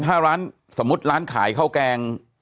ถ้าร้านสมมุติร้านขายข้าวแกง